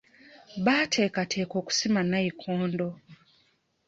Baateekateeka okusima nnayikondo.